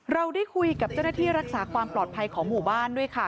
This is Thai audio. เราได้คุยกับเจ้าหน้าที่รักษาความปลอดภัยของหมู่บ้านด้วยค่ะ